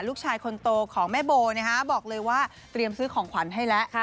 ลูกชายคนโตของแม่โบบอกเลยว่าเตรียมซื้อของขวัญให้แล้ว